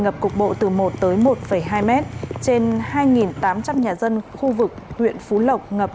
ngập cục bộ từ một tới một hai mét trên hai tám trăm linh nhà dân khu vực huyện phú lộc ngập